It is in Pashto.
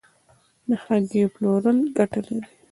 د هګیو پلورل ګټه لري؟